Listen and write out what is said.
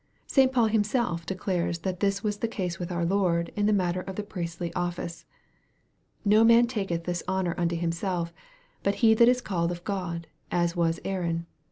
St. Paul himself de clares that this was the case with our Lord, in the matter of the priestly office :" No man taketh this honor unto himself, but he that is called of God, as was Aaron."